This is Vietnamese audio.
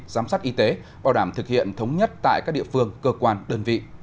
giám sát y tế bảo đảm thực hiện thống nhất tại các địa phương cơ quan đơn vị